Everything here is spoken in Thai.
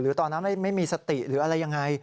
ตอนนั้นไม่มีสติหรืออะไรยังไง